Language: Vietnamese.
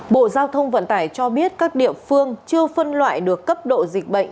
bộ giao thông vận tải cho biết các địa phương chưa phân loại được cấp độ dịch bệnh